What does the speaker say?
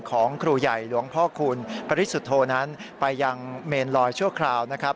ของครูใหญ่หลวงพ่อคุณปริสุทธโธนั้นไปยังเมนลอยชั่วคราวนะครับ